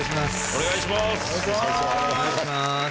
お願いします。